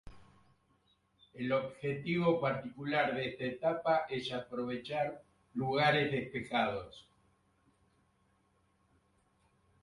El objetivo particular de esta etapa es aprovechar lugares despejados.